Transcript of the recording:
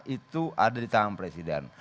itu ada di tangan presiden